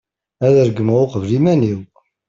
ad regmeɣ uqbel iman-iw